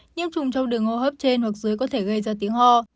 nhiễm trùng trong đường hô hấp trên hoặc dưới có thể gây ra tiếng ho